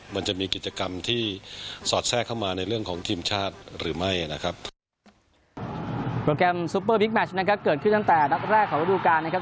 แต่มันจะมีกิจกรรมที่สอดแทรกเข้ามาในเรื่องของทีมชาติหรือไม่นะครับ